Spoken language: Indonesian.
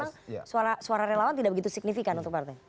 atau memang suara relawan tidak begitu signifikan untuk partai